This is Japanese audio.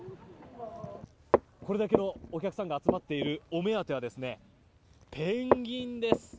これだけのお客さんが集まっているお目当てはペンギンです。